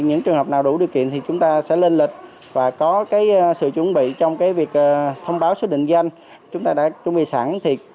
những trường hợp nào đủ điều kiện thì chúng ta sẽ lên lịch và có sự chuẩn bị trong việc thông báo số định danh chúng ta đã chuẩn bị sẵn